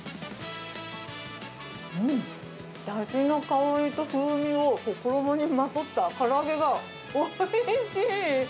うん、だしの香りと風味を衣にまとったから揚げがおいしい。